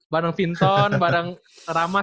bareng vinton bareng ramadhan